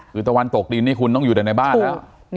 คือตะวันตกดีนี่คุณต้องอยู่ในบ้าน